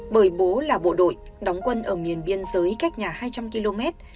bởi bố là bộ đội đóng quân ở miền biên giới cách nhà hai trăm linh km